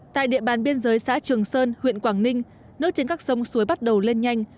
tại địa bàn biên giới xã trường sơn huyện quảng ninh nước trên các sông suối bắt đầu lên nhanh